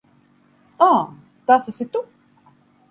Ā, tas esi tu.